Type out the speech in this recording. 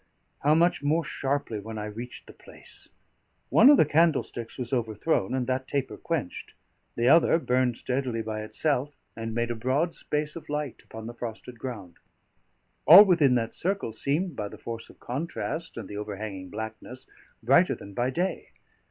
How much more sharply when I reached the place! One of the candlesticks was overthrown, and that taper quenched. The other burned steadily by itself, and made a broad space of light upon the frosted ground. All within that circle seemed, by the force of contrast and the overhanging blackness, brighter than by day.